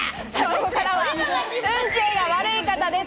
ここから運勢が悪い方です。